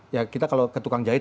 ya kita kalau ketukang jahit